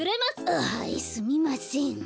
あはいすみません。